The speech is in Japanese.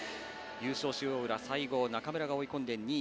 優勝、塩浦最後、中村が追い込んで２位。